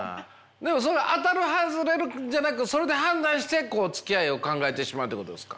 でも当たる外れるじゃなくそれで判断してつきあいを考えてしまうっていうことですか。